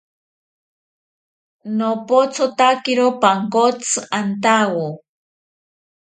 Nopothotakiro pankotzi antawo